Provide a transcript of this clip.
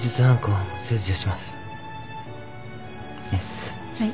はい。